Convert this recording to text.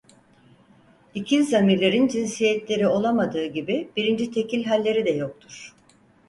İkil zamirlerin cinsiyetleri olamadığı gibi birinci tekil halleri de yoktur.